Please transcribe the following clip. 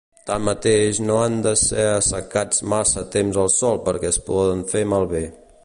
Tanmateix, no han de ser assecats massa temps al sol perquè es poden fer malbé.